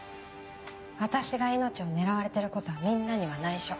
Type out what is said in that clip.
私が命を狙われてることはみんなには内緒。